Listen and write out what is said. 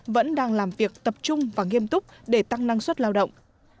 vẫn đang làm việc tập trung và nghiêm túc để tăng năng suất lao động